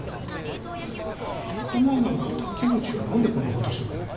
仲間なら滝口はなんでこんな事をするんだ？